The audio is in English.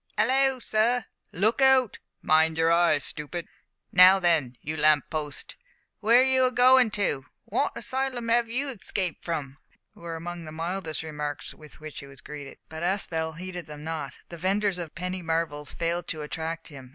"Hallo, sir!" "Look out!" "Mind your eye, stoopid!" "Now, then, you lamp post, w'ere are you a goin' to?" "Wot asylum 'ave you escaped from?" were among the mildest remarks with which he was greeted. But Aspel heeded them not. The vendors of penny marvels failed to attract him.